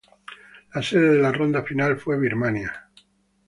La sede de la ronda final fue Birmania.